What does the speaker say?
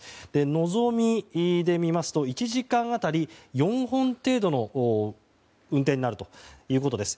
「のぞみ」で見ますと１時間当たり４本程度の運転になるということです。